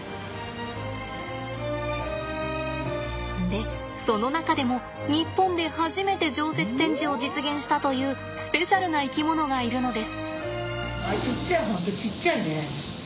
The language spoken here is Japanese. でその中でも日本で初めて常設展示を実現したというスペシャルな生き物がいるのです。